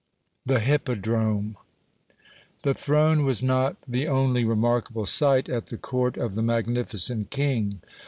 (73) THE HIPPODROME The throne was not the only remarkable sight at the court of the magnificent king.